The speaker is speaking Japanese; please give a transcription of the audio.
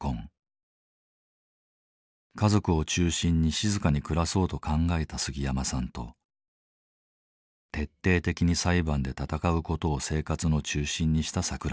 家族を中心に静かに暮らそうと考えた杉山さんと徹底的に裁判で闘う事を生活の中心にした桜井さん。